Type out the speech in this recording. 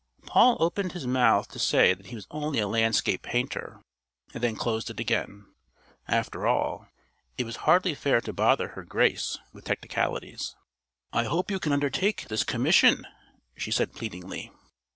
Paul opened his mouth to say that he was only a landscape painter, and then closed it again. After all, it was hardly fair to bother her Grace with technicalities. "I hope you can undertake this commission," she said pleadingly.